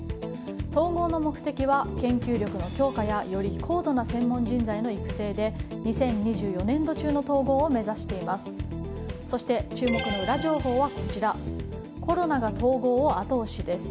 統合の目的は研究力の強化やより高度な専門人材の育成で２０２４年度中の統合を目指しています。